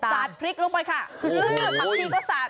สาดพริกลงไปค่ะผักชีก็สาด